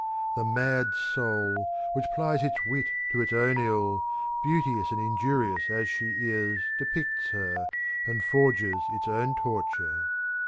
The mad soul, which plies its wit to its own ill, beau teous and injurious as she is depicts hes, ^j^dJorges its own torture.